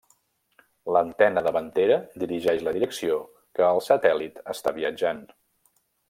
L'antena davantera dirigeix la direcció que el satèl·lit està viatjant.